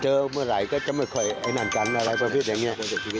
เมื่อไหร่ก็จะไม่ค่อยไอ้นั่นกันอะไรประเภทอย่างนี้